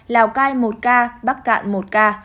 bảo cai một ca bắc cạn một ca